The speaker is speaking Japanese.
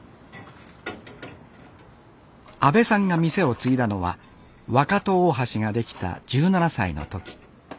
安部さんが店を継いだのは若戸大橋ができた１７歳の時。